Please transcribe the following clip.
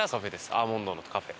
アーモンドのカフェ。